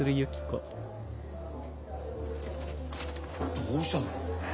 どうしたの？